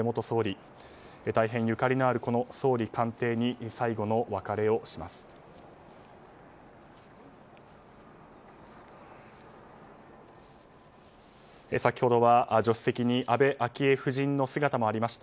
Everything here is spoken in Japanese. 大変ゆかりのある総理官邸に最後の別れをします。